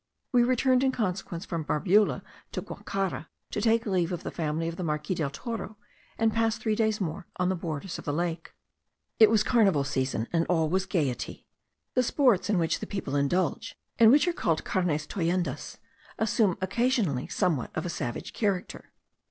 We returned in consequence from Barbula to Guacara, to take leave of the family of the Marquis del Toro, and pass three days more on the borders of the lake. It was the carnival season, and all was gaiety. The sports in which the people indulge, and which are called carnes tollendas,* assume occasionally somewhat of a savage character.